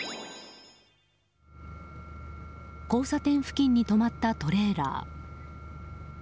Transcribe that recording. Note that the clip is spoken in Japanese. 交差点付近に止まったトレーラー。